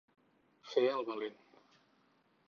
Fer el valent.